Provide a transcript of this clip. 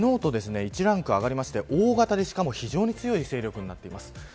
昨日と１ランク上がりまして大型で、しかも非常に強い勢力になっています。